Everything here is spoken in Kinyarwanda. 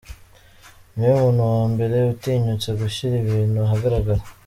Niwe muntu wa mbere utinyutse gushyira ibintu ahagaragara.